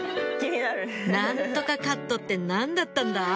「何とかカットって何だったんだ？」